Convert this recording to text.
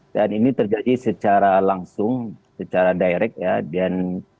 dan ini terjadi secara langsung secara direct ya dan